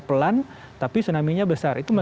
pelan tapi tsunami nya besar itu